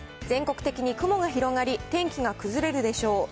全国的に雲が広がり、天気が崩れるでしょう。